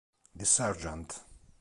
The Sergeant